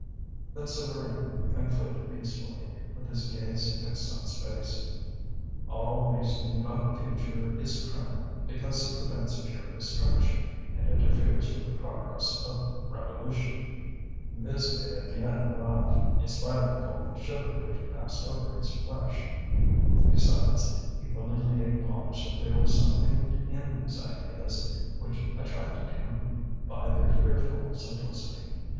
Then Souvarine concluded peacefully, with his gaze fixed on space: "All reasoning about the future is criminal, because it prevents pure destruction, and interferes with the progress of revolution." This made Étienne laugh, in spite of the cold shiver which passed over his flesh. Besides, he willingly acknowledged that there was something in these ideas, which attracted him by their fearful simplicity.